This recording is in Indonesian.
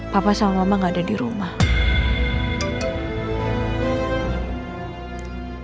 papa sama mama gak ada di rumah